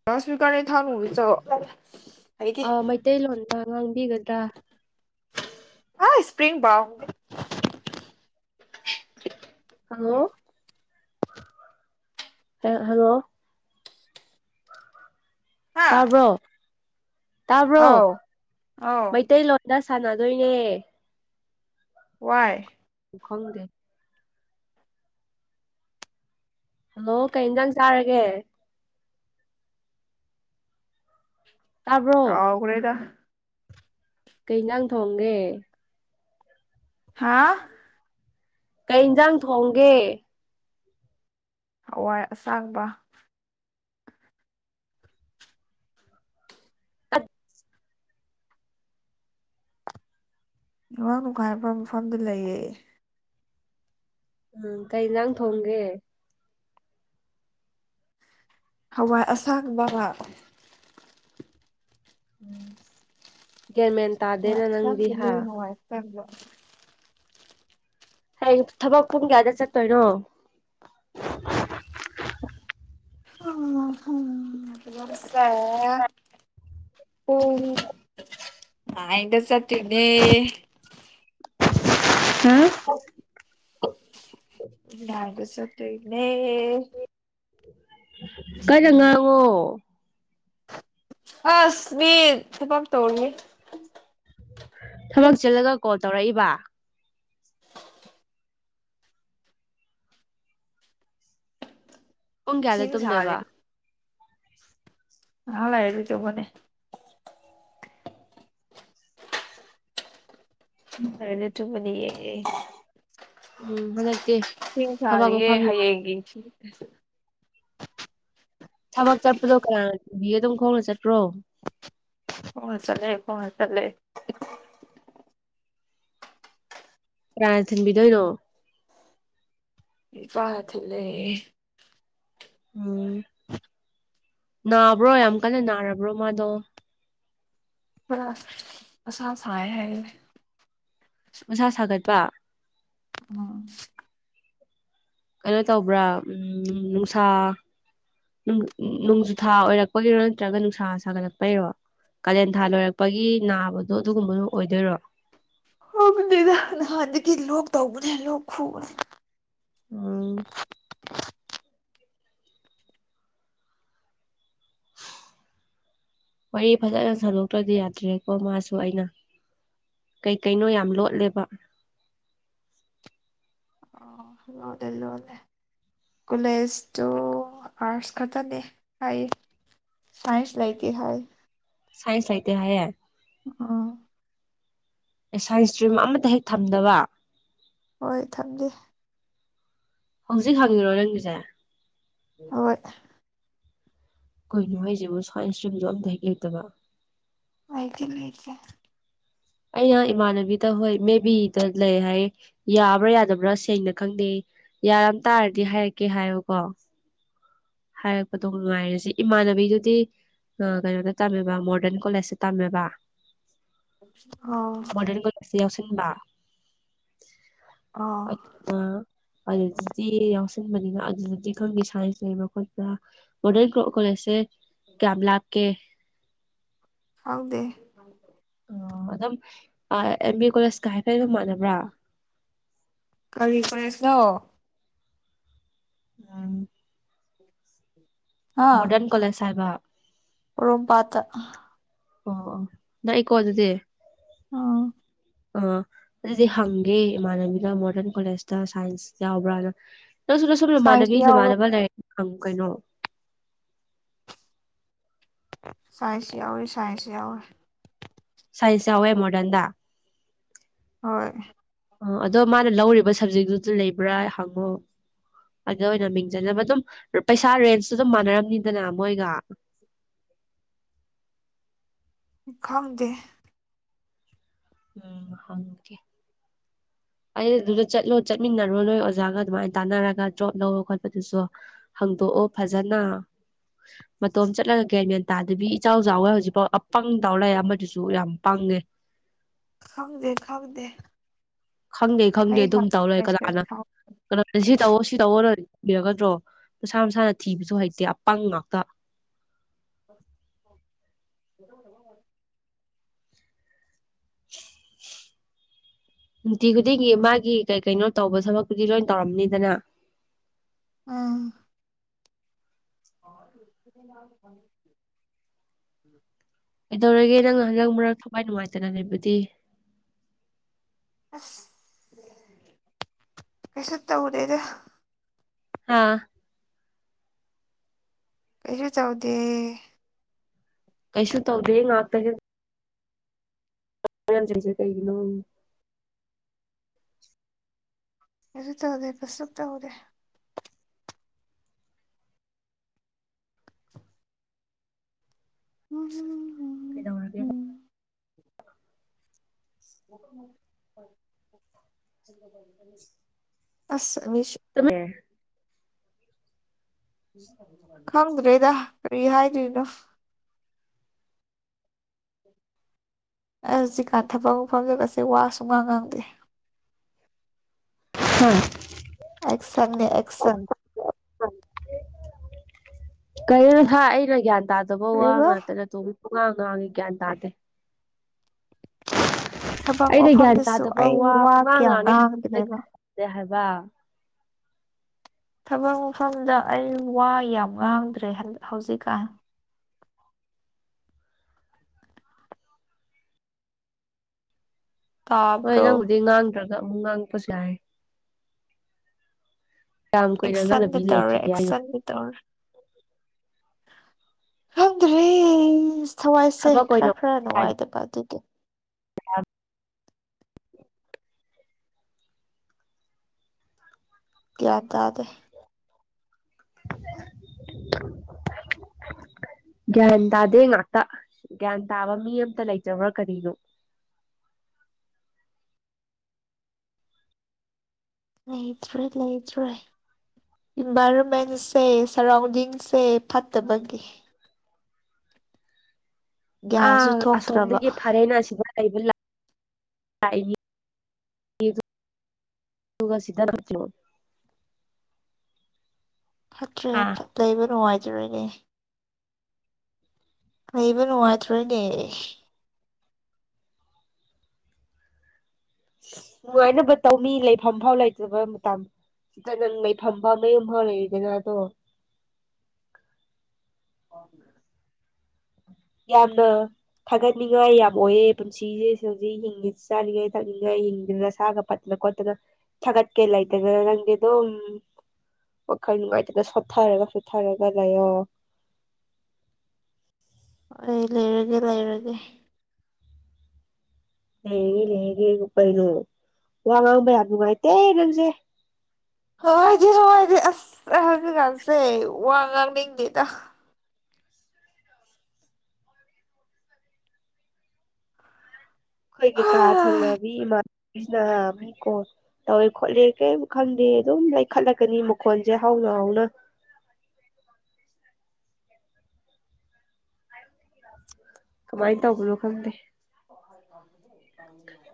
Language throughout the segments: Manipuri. [unintelligible] ꯑꯥ ꯃꯩꯇꯩꯂꯣꯟꯗ ꯉꯥꯡꯕꯤꯒꯗ꯭ꯔꯥ [unintelligible] ꯍꯜꯂꯣ ꯍꯦ ꯍꯜꯂꯣ ꯍꯥꯥ ꯇꯥꯕ꯭ꯔꯣ ꯇꯥꯕ꯭ꯔꯣ ꯑꯧ ꯑꯧ ꯃꯩꯇꯩꯂꯣꯟ ꯗ ꯁꯥꯟꯅꯗꯣꯏꯅꯦ ꯋꯥꯏ ꯎ ꯈꯪꯗꯦ ꯍꯜꯂꯣ ꯀꯩ ꯏꯟꯖꯥꯡ ꯆꯥꯔꯒꯦ ꯇꯥꯕ꯭ꯔꯣ ꯀꯥꯎꯒ꯭ꯔꯦꯗ ꯀꯩ ꯍꯤꯟꯖꯥꯡ ꯊꯣꯡꯒꯦ ꯍꯥꯥ ꯀꯩ ꯍꯤꯟꯖꯥꯡ ꯊꯣꯡꯒꯦ ꯍꯋꯥꯏ ꯑꯁꯥꯡꯕ [inaudible] ꯅꯦꯠꯋꯥꯛ ꯅꯨꯡꯉꯥꯏꯕ ꯃꯐꯝꯗ ꯂꯩꯌꯦ ꯎꯝ ꯀꯩ ꯏꯟꯁꯥꯡ ꯊꯣꯡꯒꯦ ꯍꯋꯥꯏ ꯑꯁꯥꯡꯕꯒ ꯎꯝ ꯒꯤꯌꯥꯟꯃꯦꯟ ꯇꯥꯗꯦꯅ ꯑꯁꯥꯡꯕꯅꯦ ꯅꯪꯗꯤꯍꯥ [inaudible] ꯍꯌꯦꯡ ꯊꯕꯛ ꯄꯨꯡ ꯀꯌꯥꯗ ꯆꯠꯇꯣꯏꯅꯣ ꯑꯥ ꯊꯕꯛꯁꯦ ꯄꯨꯡ ꯅꯥꯏꯟꯗ ꯆꯠꯇꯣꯏꯅꯦ ꯎꯝ ꯅꯥꯏꯟꯗ ꯆꯠꯇꯣꯏꯅꯦ ꯀꯟꯅ ꯉꯥꯡꯉꯣ ꯑꯁ ꯃꯤ ꯊꯕꯛ ꯇꯧꯔꯤ ꯊꯕꯛ ꯆꯤꯜꯂꯒ ꯀꯣꯜ ꯇꯧꯔꯛꯏꯕ ꯄꯨꯡ ꯀꯌꯥꯗ ꯏꯁꯤꯡ ꯁꯥꯔꯤ ꯇꯨꯝꯗꯣꯏꯕ ꯉꯩꯍꯥꯛ ꯂꯩꯔꯗꯤ ꯇꯨꯝꯃꯅꯤ ꯉꯩꯍꯥꯛ ꯂꯩꯔꯗꯤ ꯇꯨꯝꯃꯅꯤꯌꯦ ꯎꯝ ꯍꯣꯔꯦꯟ ꯏꯁꯤꯡ ꯁꯥꯔꯤꯌꯦ ꯍꯌꯦꯡꯒꯤ ꯊꯕꯛ ꯆꯠꯄꯗꯣ ꯀꯅꯥꯅ ꯊꯤꯟꯕꯤꯒꯦ ꯑꯗꯨꯝ ꯈꯣꯡꯅ ꯆꯠꯄ꯭ꯔꯣ ꯈꯣꯡꯅ ꯆꯠꯂꯦ ꯈꯣꯡꯅ ꯆꯠꯂꯦ ꯀꯅꯥꯅ ꯊꯤꯟꯕꯤꯗꯣꯏꯅꯣ ꯏꯄꯥꯅ ꯊꯤꯜꯂꯦ ꯎꯝ ꯅꯥꯕ꯭ꯔꯣ ꯌꯥꯝ ꯀꯟꯅ ꯅꯥꯔꯕ꯭ꯔꯣ ꯃꯥꯗꯣ ꯑꯁꯥ ꯁꯥꯏꯌꯦ ꯍꯥꯏꯌꯦ ꯃꯁꯥ ꯁꯥꯒꯠꯄ ꯎꯝ ꯀꯩꯅꯣ ꯇꯧꯕ꯭ꯔꯥ ꯎꯝ ꯅꯨꯡꯁꯥ ꯅꯣꯡꯖꯨ ꯊꯥ ꯑꯣꯏꯔꯛꯄꯒꯤꯔꯣ ꯅꯠꯇ꯭ꯔꯒ ꯅꯨꯡꯁꯥ ꯁꯥꯒꯠꯂꯛꯄꯒꯤꯔꯣ ꯀꯥꯂꯦꯟꯊꯥ ꯂꯣꯏꯔꯛꯄꯒꯤ ꯅꯥꯕꯗꯣ ꯑꯗꯨꯒꯨꯝꯕꯗꯣ ꯑꯣꯏꯗꯣꯏꯔꯣ ꯈꯪꯗꯦꯗ ꯅꯍꯥꯟꯗꯒꯤ ꯂꯣꯛ ꯇꯧꯕꯅꯦ ꯂꯣꯛ ꯈꯨꯕꯅꯦ ꯎꯝ ꯋꯥꯔꯤ ꯐꯖꯅ ꯁꯥꯟꯗꯣꯛꯇ꯭ꯔꯗꯤ ꯌꯥꯗ꯭ꯔꯦꯀꯣ ꯃꯥꯁꯨ ꯑꯩꯅ ꯀꯩ ꯀꯩꯅꯣ ꯌꯥꯝ ꯂꯣꯠꯂꯦꯕ ꯑꯣ ꯑꯣ ꯂꯣꯠꯂꯦ ꯂꯣꯠꯂꯦ ꯀꯣꯂꯦꯖꯇꯣ ꯑꯥꯔꯠꯁ ꯈꯛꯇꯅꯦ ꯍꯥꯏꯌꯦ ꯁꯥꯏꯟꯁ ꯂꯩꯇ ꯍꯥꯏꯌꯦ ꯁꯥꯏꯟꯁ ꯂꯩꯇꯦ ꯍꯥꯏꯌꯦ ꯑꯣ ꯑꯦ ꯁꯥꯏꯟꯁ ꯁ꯭ꯇꯔꯤꯝ ꯑꯃꯇ ꯍꯦꯛ ꯊꯝꯗꯕ ꯍꯣꯏ ꯊꯝꯗꯦ ꯍꯧꯖꯤꯛ ꯍꯪꯉꯤꯔꯣ ꯅꯪꯒꯤꯁꯦ ꯍꯣꯏ ꯀꯩꯅꯣ ꯍꯥꯏꯁꯤꯕꯨ ꯁꯥꯏꯟꯁ ꯁ꯭ꯇꯔꯤꯝꯁꯨ ꯑꯃꯇ ꯍꯦꯛ ꯂꯩꯇꯕ ꯂꯩꯗꯤ ꯂꯩꯇꯦ ꯑꯩꯅ ꯏꯃꯥꯟꯅꯕꯤꯗ ꯍꯣꯏ ꯃꯦ ꯕꯤꯗ ꯂꯩ ꯍꯥꯏ ꯌꯥꯕ꯭ꯔꯥ ꯌꯥꯗꯕ꯭ꯔꯥ ꯁꯦꯡꯅ ꯈꯪꯗꯦ ꯌꯥꯔꯝꯇꯥꯔꯗꯤ ꯍꯥꯏꯔꯛꯀꯦ ꯍꯥꯏꯌꯦꯕꯀꯣ ꯍꯥꯏꯔꯛꯄꯗꯣ ꯉꯉꯥꯏꯔꯁꯤ ꯏꯃꯥꯟꯅꯕꯤꯗꯨꯗꯤ ꯑ ꯀꯩꯅꯣꯗ ꯇꯝꯃꯦꯕ ꯃꯣꯗꯔꯟ ꯀꯣꯂꯦꯖꯁꯇ ꯇꯝꯃꯦꯕ ꯑꯣ ꯑꯁꯤ ꯌꯥꯎꯁꯤꯟꯕ ꯑꯥ ꯑꯩꯠ ꯅ ꯑꯗꯨꯗꯨꯗꯤ ꯌꯥꯎꯁꯟꯕꯅꯤꯅ ꯑꯗꯨꯗꯗꯤ ꯈꯪꯅꯤ ꯁꯥꯏꯟꯁ ꯂꯩꯕ ꯈꯣꯠꯄ꯭ꯔꯥ ꯃꯣꯗꯔꯟꯣ ꯀꯣꯂꯦꯖꯁꯦ ꯀꯌꯥꯝ ꯂꯥꯞꯀꯦ ꯑꯥꯡꯗꯦ [inaudible] ꯑꯣ ꯑꯗꯨꯝ ꯑꯥ ꯑꯦꯝ ꯕꯤ ꯀꯣꯂꯦꯖꯀ ꯍꯥꯏꯐꯠ ꯗꯨꯝ ꯃꯥꯟꯅꯕ꯭ꯔꯥ ꯀꯔꯤ ꯐ꯭ꯔꯦꯁꯅꯣ ꯃꯣꯗꯔꯟ ꯀꯣꯂꯦꯖꯁ ꯍꯥꯏꯕ ꯄꯣꯔꯣꯝ ꯄꯥꯠꯇ ꯑꯣ ꯑꯣ ꯅꯥꯛꯏꯀꯣ ꯑꯗꯨꯗꯤ ꯎꯝ ꯑ ꯗꯨꯗꯤ ꯍꯪꯒꯦ ꯏꯃꯥꯟꯅꯕꯤꯅ ꯃꯣꯗꯔꯟ ꯀꯣꯂꯦꯖꯇ ꯁꯥꯏꯟꯁ ꯌꯥꯎꯕ꯭ꯔꯥꯅ ꯅꯪꯁꯨ ꯅꯥꯪꯁꯨ ꯅꯃꯥꯟꯅꯕꯤ ꯁꯥꯏꯟꯁ ꯌꯥꯎꯋꯦ ꯅꯃꯥꯟꯅꯕ ꯂꯥꯏꯔꯤꯛ ꯍꯪꯉꯨ ꯀꯩꯅꯣ ꯁꯥꯏꯟꯁꯁꯨ ꯌꯥꯎꯋꯤ ꯁꯥꯏꯟꯁꯁꯨ ꯌꯥꯎꯋꯤ ꯁꯥꯏꯟꯁ ꯌꯥꯎꯋꯦ ꯃꯣꯔꯗꯦꯟꯗ ꯍꯣꯏ ꯑꯣ ꯑꯗꯣ ꯃꯥꯅ ꯂꯧꯔꯤꯕ ꯁꯕꯖꯦꯛꯇꯨꯗꯨ ꯂꯩꯕ꯭ꯔꯥ ꯍꯪꯉꯣ ꯑꯗꯨ ꯑꯣꯏꯅ ꯃꯤꯡꯆꯜꯂꯒꯥ ꯗꯨꯝ ꯄꯩꯁꯥ ꯔꯦꯟꯁꯁꯨ ꯑꯗꯨꯝ ꯃꯥꯟꯅꯔꯝꯅꯤꯗꯅ ꯃꯣꯏꯒ ꯈꯪꯗꯦ ꯎꯝ ꯍꯪꯀꯦ ꯑꯩ ꯑꯗꯨꯗ ꯆꯠꯂꯣ ꯆꯠꯃꯤꯟꯅꯔꯣ ꯅꯣꯏ ꯑꯣꯖꯥꯒ ꯑꯗꯨꯃꯥꯏꯅ ꯇꯥꯟꯅꯔꯒ ꯗ꯭ꯔꯣꯞ ꯂꯣ ꯈꯣꯠꯄꯗꯨꯁꯨ ꯍꯥꯡꯗꯣꯛꯑꯣ ꯐꯖꯟꯅ ꯃꯇꯣꯝ ꯆꯠꯂꯒ ꯀꯦ ꯃꯌꯥꯦꯟ ꯇꯥꯗꯕꯤ ꯏꯆꯥꯎ ꯆꯥꯎꯋꯦ ꯍꯧꯖꯤꯛ ꯑꯄꯪ ꯗꯥꯎꯂꯥꯏ ꯑꯃꯗꯨꯁꯨ ꯌꯥꯝ ꯄꯥꯡꯉꯦ ꯈꯪꯗꯦ ꯈꯪꯗꯦ ꯈꯪꯗꯦ ꯈꯪꯗꯦ ꯑꯩ ꯍ ꯑꯗꯨꯝ ꯇꯧꯔꯣꯏ ꯃꯦꯁꯦꯖ ꯀꯅꯥ--ꯅ ꯊꯥꯎ ꯀꯅꯥꯠꯇ ꯁꯤ ꯇꯧꯑꯣ ꯁꯤ ꯇꯧꯑꯣꯅ ꯕꯤꯔꯒꯗ꯭ꯔꯣ ꯃꯁꯥ ꯃꯁꯥꯅ ꯊꯤꯕꯁꯨ ꯍꯩꯇꯦ ꯑꯄꯪ ꯉꯥꯛꯇ [inaudible] [inaudible] ꯅꯨꯡꯇꯤ ꯈꯨꯗꯤꯡꯒꯤ ꯃꯥꯒꯤ ꯀꯩ ꯀꯩꯅꯣ ꯇꯧꯕ ꯊꯕꯛꯄꯨꯗꯤ ꯂꯣꯏ ꯇꯧꯔꯝꯅꯤꯗꯅ ꯑ [inaudible] ꯀꯩꯗꯧꯔꯒꯦ ꯅꯪꯅ ꯍꯟꯗꯛ ꯃꯔꯛ ꯊꯋꯥꯏ ꯅꯨꯡꯉꯥꯏꯇꯅ ꯂꯩꯕꯗꯤ ꯑꯁ ꯀꯩꯁꯨ ꯇꯧꯗꯦꯗ ꯍꯥꯥ ꯀꯩꯁꯨ ꯆꯥꯎꯗꯦ ꯀꯩꯁꯨ ꯇꯧꯗꯦ ꯉꯥꯛꯇ ꯍꯤꯞ ꯃꯔꯝꯖꯤꯡꯖꯦ ꯀꯩꯒꯤꯅꯣ ꯀꯩꯁꯨ ꯇꯧꯗꯦ ꯕꯁꯨꯞ ꯇꯧꯗꯦ ꯎꯝ ꯀꯩꯗꯧꯔꯒꯦꯕ ꯑꯁ ꯃꯤꯁꯨ ꯇꯨ ꯃꯦ ꯈꯪꯗ꯭ꯔꯦꯗ ꯀꯔꯤ ꯍꯥꯏꯗꯨꯏꯅꯣ ꯑꯩꯍꯨꯖꯤꯀꯥꯟ ꯊꯕꯛ ꯃꯐꯝꯗꯒꯖꯦ ꯋꯥ ꯁꯨꯉꯥꯡ ꯉꯥꯡꯗꯦ꯫ ꯍꯨꯝ ꯑꯦꯛꯁꯟꯅꯦ ꯑꯦꯛꯁꯟ ꯀꯔꯤꯅ ꯊꯥ ꯑꯩꯅ ꯒ꯭ꯌꯥꯟ ꯇꯥ ꯇꯕ ꯋꯥ ꯀꯔꯤꯕ ꯉꯥꯛꯇꯅ ꯅꯇꯣꯝ ꯄꯨꯉꯥꯡ ꯉꯥꯡꯉꯤ ꯒ꯭ꯌꯥꯟ ꯇꯥꯗꯦ꯫ ꯊꯕꯛ ꯑꯩꯅ ꯒ꯭ꯌꯥꯟ ꯃꯐꯝꯗꯁꯨ ꯇꯥꯗꯕ ꯑꯩ ꯋꯥ ꯄꯨꯡꯉꯥ ꯀꯌꯥ ꯉꯥꯡꯉꯦ ꯉꯥꯡꯗ꯭ꯔꯦꯕ ꯍꯥꯏꯕ ꯊꯕꯛ ꯃꯐꯝꯗ ꯑꯩ ꯋꯥ ꯌꯥꯝ ꯉꯥꯡꯗ꯭ꯔꯦ ꯍꯩ ꯍꯧꯖꯤꯛꯀꯥꯟ꯫ ꯍꯣꯏ ꯇꯥꯕ꯭ꯔꯣ ꯅꯪꯕꯨꯗꯤ ꯉꯥꯡꯗ꯭ꯔꯒ ꯑꯃꯨꯛ ꯉꯥꯡꯉꯛꯄꯁꯨ ꯌꯥꯏ꯫ ꯀꯌꯥꯝ ꯀꯨꯏꯅ ꯑꯦꯛꯁꯟꯗ ꯉꯥꯡꯅꯕꯤ ꯇꯧꯔꯦ ꯂꯩꯈꯤꯒꯦ ꯍꯥꯏꯅꯣ ꯑꯦꯛꯁꯟꯗ ꯇꯧꯔꯦ ꯈꯪꯗ꯭ꯔꯦ ꯊꯋꯥꯏꯁꯦ ꯊꯕꯛ ꯈꯔ ꯈꯔ ꯅꯨꯡꯉꯥꯏꯗ ꯄ ꯑꯗꯨꯗꯤ ꯌꯥꯝ ꯒꯌ꯭ꯥꯟ ꯇꯥꯗꯦ [inaudible] ꯒ꯭ꯌꯥꯟ ꯇꯥꯗꯦ ꯉꯥꯛꯇ ꯒ꯭ꯌꯥꯟ ꯇꯥꯕ ꯃꯤ ꯑꯝꯇ ꯂꯩꯇꯔꯕ꯭ꯔ ꯀꯔꯤꯅꯣ꯫ ꯂꯩꯇ꯭ꯔꯦ ꯂꯩꯇ꯭ꯔꯦ꯫ ꯏꯟꯚꯥꯏꯔꯣꯟꯃꯦꯟꯁꯦ ꯁꯔꯥꯎꯟꯗꯤꯡꯁꯦ ꯐꯠꯇꯕꯒꯤ꯫ ꯒ꯭ꯌꯥꯟꯁꯨ ꯑꯥ ꯊꯣꯛꯇ꯭ꯔꯕ ꯑꯁꯣꯝꯗꯒꯤ ꯐꯔꯦꯅ ꯁꯤꯗ ꯂꯩꯕ ꯂꯥꯛ ꯂꯥꯛꯏꯅꯤ ꯏ ꯗꯨ ꯗꯨꯒ ꯁꯤꯗ ꯃꯨꯛꯁꯨ ꯇ꯭ꯔꯦ ꯅꯨꯡꯉꯥꯏꯅꯕ ꯐꯠ ꯂꯩꯕ ꯅꯨꯡꯉꯥꯏꯖꯔꯦ ꯅꯦ ꯂꯩꯕ ꯅꯨꯡꯉꯥꯏꯇ꯭ꯔꯦꯅꯦ ꯅꯨꯡꯉꯥꯏꯅꯕ ꯇꯧꯅꯤ ꯂꯩꯐꯝꯐꯥꯎ ꯂꯩꯇ꯭ꯔꯕ ꯃꯇꯝ ꯁꯤꯗ ꯅꯪ ꯂꯩꯩꯐꯝꯕꯧ ꯅꯌꯨꯝꯐꯥꯎ ꯂꯩꯔꯤꯗꯅ ꯑꯗꯣ ꯑꯣ ꯌꯥꯝꯅ ꯊꯥꯒꯠꯅꯤꯡꯉꯥꯏ ꯌꯥꯝ ꯑꯣꯏꯌꯦ ꯄꯨꯟꯁꯤꯖꯦ ꯁꯧꯖꯤꯛ ꯍꯤꯡꯉꯤ ꯆꯥꯅꯤꯡꯉꯦ ꯊꯛꯅꯤꯡꯉꯥꯏ ꯍꯤꯡꯗꯅ ꯁꯥꯒ ꯐꯠꯅ ꯈꯣꯠꯇꯅ ꯊꯒꯠꯀꯦ ꯂꯩꯇꯗꯅ ꯀꯦ ꯅꯪꯗꯤ ꯑꯗꯨꯝ ꯋꯥꯈꯜ ꯅꯨꯡꯉꯥꯏꯇꯅ ꯁꯣꯠꯊꯔꯒ ꯁꯣꯠꯊꯔꯒ ꯂꯩꯌꯣ꯫ ꯑꯩ ꯂꯩꯔꯒꯦ ꯂꯩꯔꯒꯦ ꯂꯩꯔꯒꯦ ꯂꯩꯔꯒꯦꯕꯨ ꯀꯩꯅꯣ ꯋꯥ ꯉꯥꯡꯕ ꯌꯥꯝ ꯅꯨꯡꯉꯥꯏꯇꯦ ꯅꯪꯖꯦ꯫ ꯍꯣꯏꯗꯤ ꯍꯣꯏꯗꯤ ꯑꯁ ꯑꯩ ꯍꯧꯖꯤꯀꯥꯟꯁꯦ ꯋꯥ ꯉꯥꯡꯅꯤꯡꯗꯦꯗ꯫ ꯈꯣꯏꯒꯤ ꯀꯥ ꯊꯪꯅꯕꯤ ꯏꯃꯥꯟꯅꯕꯤꯅ ꯃꯤ ꯀꯣꯜ ꯇꯧꯋꯤ ꯈꯣꯠꯂꯤ ꯀꯩꯝ ꯈꯪꯗꯦ ꯑꯗꯨꯝ ꯂꯩꯈꯠꯂꯛꯀꯅꯤ ꯃꯈꯣꯟꯖꯦ ꯍꯧꯅ ꯍꯧꯅ꯫ ꯀꯃꯥꯏꯅ ꯇꯧꯕꯅꯣ ꯈꯪꯗꯦ꯫ [inaudible]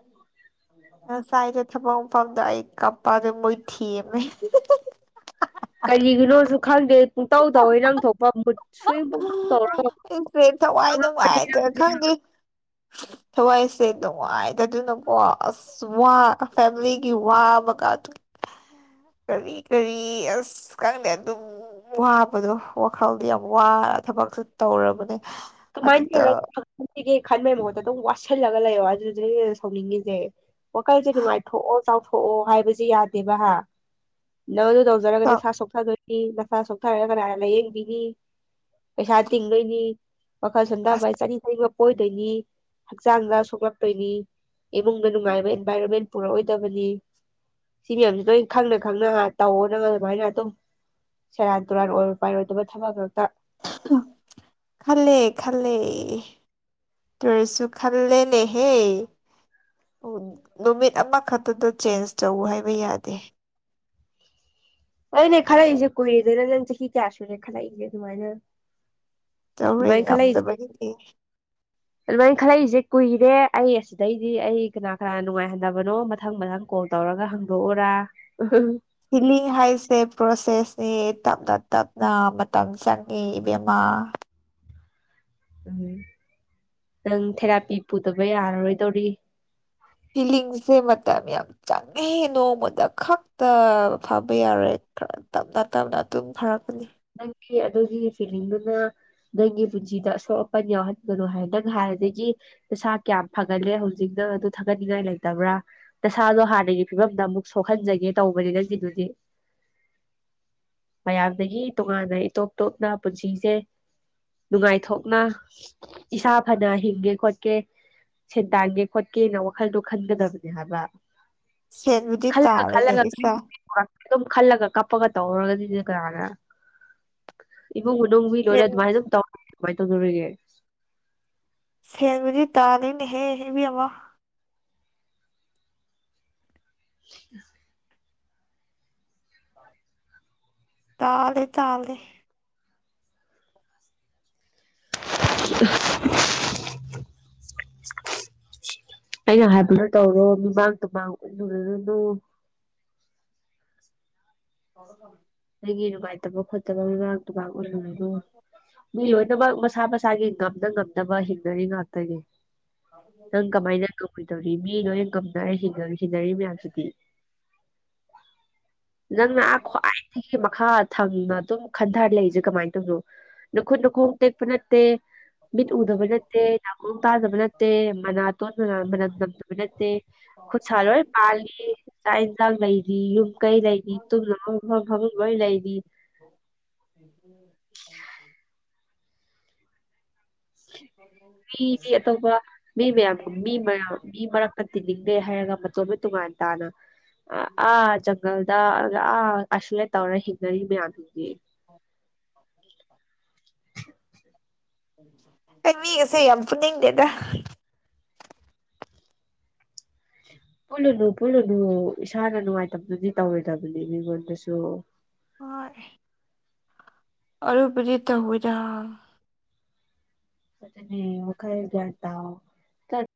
ꯉꯁꯥꯏꯗꯣ ꯊꯕꯛ ꯃꯐꯝꯗ ꯑꯩ ꯀꯞꯄꯗꯣ ꯃꯣꯏ ꯊꯦꯝꯃꯦ ꯀꯔꯤꯒꯤꯅꯣꯖꯨ ꯈꯪꯗꯦ ꯄꯨꯡꯇꯧ ꯇꯧꯏ ꯅꯪꯊꯣꯛꯄ ꯃꯨꯠ ꯁ꯭ꯋꯤꯡ ꯄꯨꯡꯇꯧ ꯇꯧꯔ ꯍꯦ ꯊꯋꯥꯏ ꯅꯨꯡꯉꯥꯏꯇꯦ ꯈꯪꯗꯦ ꯊꯋꯥꯏꯁꯦ ꯅꯨꯡꯉꯥꯏꯇꯗꯅ ꯀꯦ ꯑꯁ ꯋꯥ ꯑ ꯐꯦꯝꯂꯤꯒꯤ ꯋꯥ ꯃꯀꯥ ꯑꯗꯨꯒꯤ ꯀꯔꯤ ꯀꯔꯤ ꯑꯁ ꯈꯪꯗꯦ ꯑꯗꯨꯝ ꯋꯥꯕꯗꯣ꯫ ꯋꯥꯈꯜꯗꯤ ꯌꯥꯝ ꯋꯥ ꯊꯕꯛꯁꯨ ꯇꯧꯔꯕꯅꯦ ꯑꯗꯨꯗ ꯈꯟꯒꯦ ꯈꯟꯕꯩ ꯃꯍꯨꯠꯇ ꯑꯗꯨꯝ ꯋꯥꯠꯁꯤꯜꯂꯒ ꯂꯩꯌꯣ ꯑꯗꯨꯗꯨꯗ ꯑ ꯁꯧꯅꯤꯡꯉꯤꯁꯦ ꯋꯥꯈꯜꯁꯦ ꯅꯨꯡꯉꯥꯏꯊꯣꯛꯑꯣ ꯆꯥꯎꯊꯣꯛꯑꯣ ꯍꯥꯏꯕꯁꯦ ꯌꯥꯗꯦꯕ ꯍꯥ ꯅꯪ ꯑꯗꯨ ꯇꯧꯖꯔꯒ ꯅꯁꯥ ꯁꯣꯛꯊꯗꯣꯏꯅꯤ ꯅꯁꯥ ꯁꯣꯛꯊꯔꯒ ꯀꯅꯥꯅ ꯂꯥꯏꯌꯦꯡꯕꯤꯅꯤ ꯄꯩꯁꯥ ꯇꯤꯡꯗꯣꯏꯅꯤ ꯋꯥꯈꯜ ꯑꯁ ꯁꯣꯟꯗꯕꯩ ꯆꯅꯤꯡ ꯊꯛꯅꯤꯡꯕ ꯄꯣꯏꯗꯣꯏꯅꯤ ꯍꯛꯆꯥꯡꯗ ꯁꯣꯛꯂꯛꯇꯣꯏꯅꯤ ꯏꯃꯨꯡꯗ ꯅꯨꯡꯉꯥꯏꯕ ꯏꯟꯚꯥꯏꯔꯣꯟꯃꯦꯟ ꯄꯨꯔꯛꯑꯣꯏꯗꯕꯅꯤ ꯁꯤ ꯃꯌꯥꯝꯖꯦ ꯂꯣꯏ ꯈꯪꯅ ꯈꯪꯅ ꯉꯛ ꯇꯧꯑꯧꯗ꯭ꯔꯒꯅ ꯑꯗꯨꯃꯥꯏꯅ ꯑꯗꯨꯝ ꯁꯦꯔꯥꯟ ꯇꯨꯔꯥꯟ ꯑꯣꯏꯔ ꯄꯥꯏꯔꯣꯏꯗꯕ ꯊꯕꯛ ꯉꯛꯇ ꯈꯜꯂꯦ ꯈꯜꯂꯦ ꯇꯨꯔꯤꯁ ꯆꯨ ꯈꯜꯂꯦꯅꯦꯍꯦ ꯑꯣ ꯅꯨꯃꯤꯠ ꯑꯃꯈꯛꯇꯗ ꯆꯦꯟꯖ ꯇꯧ ꯍꯥꯏꯕ ꯌꯥꯗꯦ ꯑꯣꯏꯅꯦ ꯈꯜꯂꯛꯏꯖꯦ ꯀꯨꯏꯔꯦꯗ ꯅꯪ ꯆꯍꯤ ꯀꯌꯥ ꯁꯨꯔꯦ ꯈꯜꯂꯛꯏꯖꯦ ꯑꯗꯨꯃꯥꯏꯅ ꯇꯧꯔꯣꯏ ꯑꯗꯨꯃꯥꯏꯅ ꯉꯝꯗꯕꯒꯤꯗꯤ ꯑꯗꯨꯃꯥꯏꯟ ꯈꯜꯂꯛꯏꯖꯦ ꯀꯨꯏꯔꯦ ꯑꯩ ꯑꯁꯤꯗꯩꯗꯤ ꯑꯩ ꯀꯅꯥ ꯀꯅꯥꯅ ꯅꯨꯡꯉꯥꯏꯍꯟꯗꯕꯅꯣ ꯃꯊꯪ ꯃꯊꯪ ꯀꯣꯜ ꯇꯧꯔꯒ ꯍꯥꯡꯗꯣꯛꯎꯔꯥ ꯍꯤꯂꯤꯡ ꯍꯥꯏꯁꯦ ꯄ꯭ꯔꯣꯁꯦꯁꯅꯦ ꯇꯞꯅ ꯇꯞꯅ ꯃꯇꯝ ꯆꯪꯉꯦ ꯏꯕꯦꯝꯃꯥ ꯎꯝ ꯅꯪ ꯊꯦꯔꯥꯄꯤ ꯄꯨꯗꯕ ꯌꯥꯔꯔꯣꯏꯗꯧꯔꯤ ꯐꯤꯂꯤꯡꯁꯦ ꯃꯇꯝ ꯌꯥꯝ ꯆꯪꯉꯦꯍꯦ ꯅꯣꯡꯃꯥꯗ ꯈꯛꯇ ꯐꯕ ꯌꯥꯔꯣꯏ ꯈꯔ ꯇꯞꯅ ꯇꯞꯅ ꯑꯇꯨꯝ ꯐꯔꯛꯀꯅꯤ ꯅꯪꯒꯤ ꯑꯗꯨꯒꯤ ꯐꯤꯂꯤꯡꯗꯨꯅ ꯅꯪꯒꯤ ꯄꯨꯟꯁꯤꯗ ꯑꯁꯣꯛ ꯑꯄꯟ ꯌꯥꯎꯍꯟꯒꯅꯣ ꯍꯥꯏ ꯅꯪ ꯍꯥꯟꯅꯗꯒꯤ ꯅꯁꯥ ꯀꯌꯥꯝ ꯐꯥꯒꯠꯂꯦ ꯍꯧꯖꯤꯛ ꯅꯪ ꯑꯗꯨ ꯊꯒꯠ ꯅꯁꯥꯗꯣ ꯍꯥꯟꯅꯒꯤ ꯐꯤꯕꯝꯗ ꯑꯃꯨꯛ ꯁꯣꯛꯍꯟꯖꯒꯦ ꯇꯧꯕꯅꯦ ꯅꯪꯒꯤꯗꯨꯗꯤ [unintelligible] ꯃꯌꯥꯝꯗꯒꯤ ꯇꯣꯉꯥꯟꯅ ꯏꯇꯣꯞ ꯇꯣꯞꯅ ꯄꯨꯟꯁꯤꯖꯦ ꯅꯨꯡꯉꯥꯏꯊꯣꯛꯅ ꯏꯁꯥ ꯐꯅ ꯍꯤꯡꯒꯦ ꯈꯣꯠꯀꯦ ꯁꯦꯟ ꯇꯥꯟꯒꯦ ꯈꯣꯠꯀꯦꯅ ꯋꯥꯈꯜꯗꯣ ꯈꯟꯒꯗꯕꯅꯦ ꯍꯥꯏꯕ ꯁꯦꯟꯕꯨꯗꯤ ꯈꯜꯂ ꯇꯥꯜꯂꯤꯅꯦ ꯈꯜꯂꯒ ꯏꯆꯥ [inaudible] ꯑꯗꯨꯝ ꯈꯜꯂꯒ ꯀꯞꯄꯒ ꯇꯧꯔꯒꯗꯤꯗꯤ ꯀꯅꯥꯅ ꯏꯃꯨꯡ ꯃꯅꯨꯡ ꯃꯤ ꯂꯣꯏꯅ ꯁꯦꯟ ꯑꯗꯨꯃꯥꯏꯅ ꯑꯗꯨꯝ ꯇꯧꯔꯒ ꯑꯗꯨꯃꯥꯏ ꯇꯧꯗꯧꯔꯤꯒꯦ ꯁꯦꯟꯕꯨꯗꯤ ꯇꯥꯂꯤꯅꯦꯍꯦ ꯏꯕꯦꯝꯃꯥ [inaudible] ꯇꯥꯜꯂꯦ ꯇꯥꯜꯂꯦ [inaudible] ꯑꯩꯅ ꯍꯥꯏꯕꯗꯣ ꯇꯧꯔꯣ ꯃꯤꯃꯥꯡ ꯇꯨꯃꯥꯡ ꯎꯠꯂꯨꯔꯨꯔꯨꯅꯨ [unintelligible] ꯑꯩꯒꯤ ꯅꯨꯡꯉꯥꯏꯇꯕ ꯈꯣꯠꯇꯕ ꯃꯤꯃꯥꯡ ꯇꯨꯃꯥꯡ ꯎꯠꯂꯨꯔꯅꯨ ꯃꯤ ꯂꯣꯏꯅꯃꯛ ꯃꯁꯥ ꯃꯁꯥ ꯆꯥꯒꯤ ꯉꯝꯅ ꯉꯝꯅꯕ ꯍꯤꯡꯅꯔꯤ ꯉꯥꯛꯇꯅꯦ ꯅꯪ ꯀꯃꯥꯏꯅ ꯉꯝꯃꯣꯏꯗꯧꯔꯤ ꯃꯤ ꯂꯣꯏꯅ ꯉꯝꯅꯔ ꯍꯤꯡꯅꯔꯤꯁꯤ ꯍꯤꯡꯅꯔꯤ ꯃꯌꯥꯝꯁꯤꯗꯤ ꯅꯪꯅ ꯑꯥ ꯈ꯭ꯋꯥꯏꯗꯒꯤ ꯃꯈꯥ ꯊꯪꯅ ꯑꯗꯨꯝ ꯈꯟꯊꯔ ꯂꯩꯖꯦ ꯀꯃꯥꯏ ꯇꯧꯅꯣ ꯅꯨꯈꯨꯠ ꯅꯨꯈꯣꯡ ꯇꯦꯛꯄ ꯅꯠꯇꯦ ꯃꯤꯠ ꯎꯗꯕ ꯅꯠꯇꯦ ꯅꯥꯀꯣꯡ ꯇꯥꯗꯕ ꯅꯠꯇꯦ ꯃꯅꯥꯇꯣꯟ ꯃꯥꯅ ꯃꯅꯝ ꯅꯝꯗꯕ ꯅꯠꯇꯦ ꯈꯨꯠꯁꯥ ꯂꯣꯏ ꯄꯥꯜꯂꯤ ꯆꯥꯛ ꯌꯦꯟꯁꯥꯡ ꯂꯩꯔꯤ ꯌꯨꯝ ꯀꯩ ꯂꯩꯔꯤ ꯇꯨꯝꯅꯕ ꯃꯐꯝ ꯗꯨꯝ ꯂꯣꯏ ꯂꯩꯔꯤ [inaudible] ꯃꯤꯖꯦ ꯑꯇꯣꯞꯄ ꯃꯤ ꯃꯌꯥꯝ ꯃꯤ ꯃꯌꯥꯝ ꯃꯤ ꯃꯔꯛ ꯄꯠ ꯇꯤꯅꯤꯡꯗꯦ ꯍꯥꯏꯔꯒ ꯃꯇꯣꯝꯗ ꯇꯣꯉꯥꯟ ꯇꯥꯅ ꯑ ꯑꯥ ꯖꯪ ꯒꯜꯗꯥ ꯑ ꯑꯥ ꯑꯁ꯭ꯌꯦꯠ ꯇꯧꯔ ꯍꯤꯡꯅꯔꯤ ꯃꯌꯥꯝꯖꯤꯗꯤ [inaudible] ꯑꯩ ꯃꯤꯒꯁꯦ ꯌꯥꯝ ꯄꯨꯟꯅꯤꯡꯗꯦꯗ ꯄꯨꯜꯂꯨꯅꯨ ꯄꯨꯜꯂꯨꯅꯨ ꯏꯁꯥꯅ ꯅꯨꯡꯉꯥꯏꯇꯕꯗꯨꯗꯤ ꯇꯧꯔꯣꯏꯗꯕꯅꯤ ꯃꯤꯉꯣꯟꯗꯁꯨ ꯍꯣꯏ ꯑꯗꯨꯕꯨꯗꯤ ꯇꯧꯔꯣꯏꯗ ꯆꯠꯂꯅꯤ ꯋꯥꯈꯜ ꯒ꯭ꯌꯥꯟ ꯇꯥꯎ